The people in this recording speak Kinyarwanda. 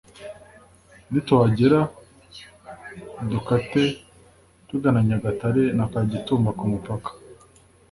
nituhagera dukate tugana Nyagatare na Kagitumba ku mupaka.